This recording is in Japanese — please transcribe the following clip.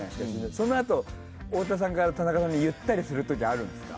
そのあと太田さんから田中さんに言ったりするときあるんですか？